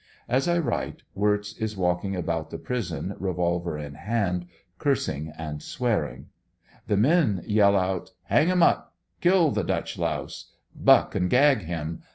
As I write Wirtz is walking about the prison revolver in hand, cursing and swearing The men j^ell out ''Hang him up!" "Kill the Dutch louse!" 'Buck and gag him!"